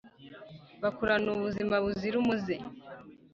bakurana ubuzima buzira umuze